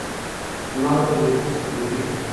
لمر په لویدیځ کې ډوبیږي.